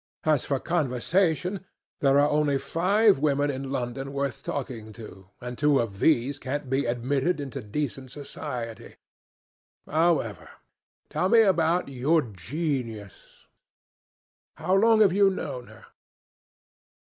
As for conversation, there are only five women in London worth talking to, and two of these can't be admitted into decent society. However, tell me about your genius. How long have you known her?"